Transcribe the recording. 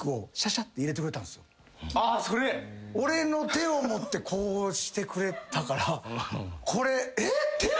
俺の手を持ってこうしてくれたから。